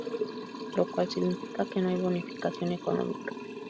Lo cual significa que no hay bonificación económica.